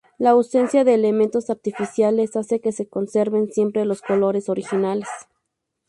La ausencia de elementos artificiales hace que se conserven siempre los colores originales.